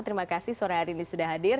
terima kasih sore hari ini sudah hadir